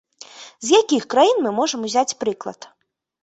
З якіх краін мы можам узяць прыклад?